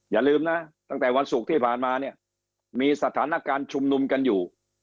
อย่าลืมนะตั้งแต่วันศุกร์ที่ผ่านมาเนี่ยมีสถานการณ์ชุมนุมกันอยู่